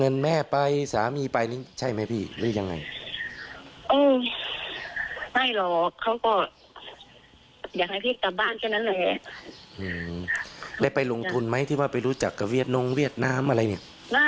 ได้ไปลงทุนไหมที่ว่าไปรู้จักกับเวียดนงเวียดนามอะไรเนี่ย